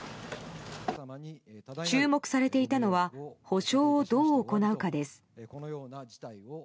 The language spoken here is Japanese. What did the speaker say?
注目されていたのは補償をどう行うかです。